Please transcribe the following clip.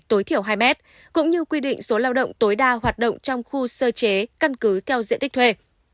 tối thiểu hai mét cũng như quy định số lao động tối đa hoạt động trong khu sơ chế căn cứ theo diện tích thuê